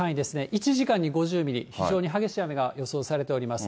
１時間に５０ミリ、非常に激しい雨が予想されております。